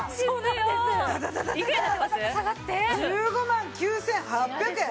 １５万９８００円。